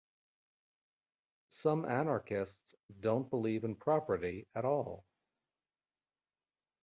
Some anarchists don't believe in property at all.